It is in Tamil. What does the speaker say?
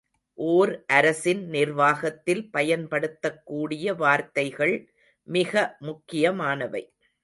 ஓர் அரசின் நிர்வாகத்தில் பயன்படுத்தக்கூடிய வார்த்தைகள் மிக முக்கியமானவை.